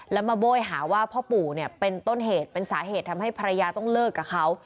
แล้วมาโบ้ยหาว่าพ่อปู่เนี่ยเป็นต้นเหตุเป็นสาเหตุทำให้ภรรยาต้องเลิกกับเขา